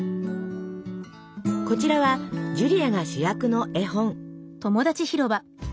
こちらはジュリアが主役の絵本。